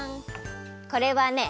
これはね